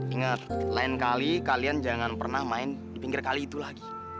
ingat lain kali kalian jangan pernah main di pinggir kali itu lagi